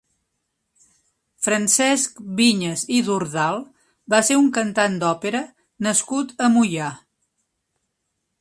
Francesc Viñas i Dordal va ser un cantant d'òpera nascut a Moià.